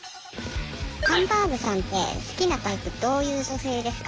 ハンバーグさんって好きなタイプどういう女性ですか？